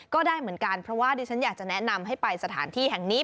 ก็ได้เหมือนกันเพราะว่าดิฉันอยากจะแนะนำให้ไปสถานที่แห่งนี้